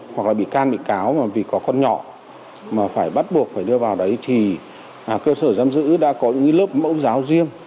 hoặc là bị can bị cáo vì có con nhỏ mà phải bắt buộc phải đưa vào đấy thì cơ sở giam giữ đã có những lớp mẫu giáo riêng